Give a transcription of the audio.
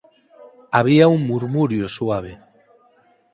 Había un murmurio suave.